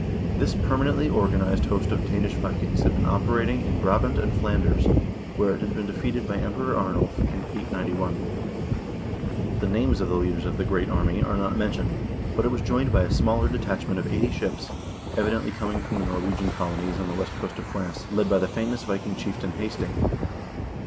This permanently organized host of Danish Vikings had been operating in Brabant and Flanders, where it had been defeated by Emperor Arnulf, in 891. The names of the leaders of the " Great Army " are not mentioned, but it was joined by a smaller detachment of eighty ships, evidently coming from the Norwegian colonies on the west coast of France led by the famous Viking chieftain Hasting.